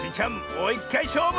もういっかいしょうぶ！